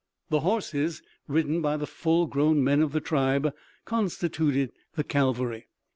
The horses, ridden by the full grown men of the tribe, constituted the cavalry.